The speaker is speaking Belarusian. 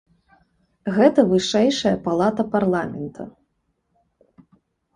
Гэта вышэйшая палата парламента.